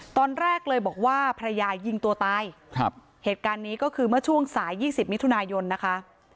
ตอนแรกเลยบอกว่าภรรยายิงตัวตายครับเหตุการณ์นี้ก็คือเมื่อช่วงสายยี่สิบมิถุนายนนะคะ